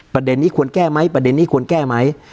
ประเด็นนี้ควรแก้ไหมประเด็นนี้ควรแก้ไหม